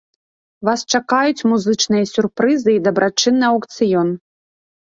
Вас чакаюць музычныя сюрпрызы і дабрачынны аўкцыён.